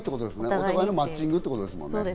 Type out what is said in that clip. お互いのマッチングってことですもんね。